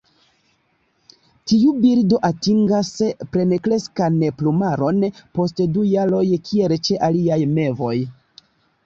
Tiu birdo atingas plenkreskan plumaron post du jaroj kiel ĉe aliaj mevoj.